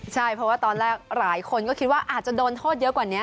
ใช่เพราะว่าตอนแรกหลายคนก็คิดว่าอาจจะโดนโทษเยอะกว่านี้